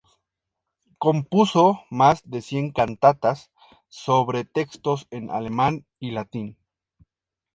Compuso más de cien cantatas sobre textos en alemán y latín.